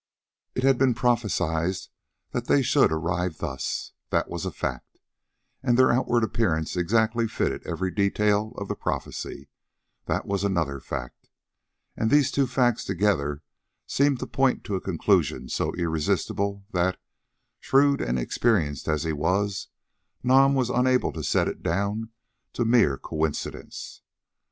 It had been prophesied that they should arrive thus—that was a fact; and their outward appearance exactly fitted every detail of the prophecy—that was another fact; and these two facts together seemed to point to a conclusion so irresistible that, shrewd and experienced as he was, Nam was unable to set it down to mere coincidence.